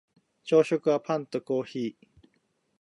朝食はパンとコーヒー